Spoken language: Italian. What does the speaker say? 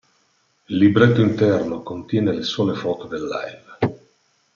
Il libretto interno contiene le sole foto del live.